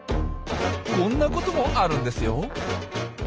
こんなこともあるんですよ。